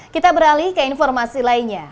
kita beralih ke informasi lainnya